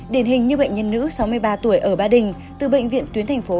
điển hình như bệnh nhân nữ sáu mươi ba tuổi ở ba đình từ bệnh viện tuyến thành phố